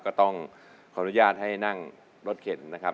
ก็ต้องขออนุญาตให้นั่งรถเข็นนะครับ